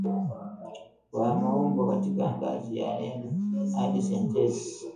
wa maumbo katika ngazi ya neno hadi sentensi